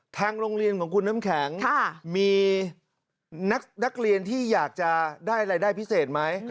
ทางโรงเรียนของคุณน้ำแข็งมีนักเรียนที่อยากจะได้รายได้พิเศษไหม